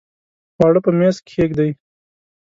خواړه په میز کښېږدئ